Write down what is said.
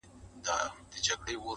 په ما ښکلي په نړۍ کي مدرسې دي!!